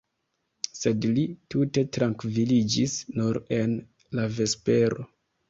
Sed li tute trankviliĝis nur en la vespero.